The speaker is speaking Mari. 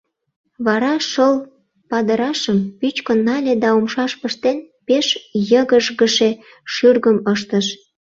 Вара шыл падырашым пӱчкын нале да умшаш пыштен, пеш йыгыжгыше шӱргым ыштыш.